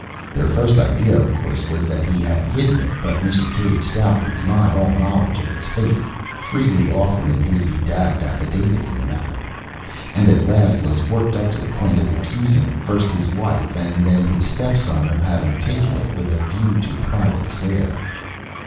Their first idea, of course, was that he had hidden it. But Mr. Cave stoutly denied all knowledge of its fate freely offering his bedabbled affidavit in the matter and at last was worked up to the point of accusing, first, his wife and then his step son of having taken it with a view to a private sale.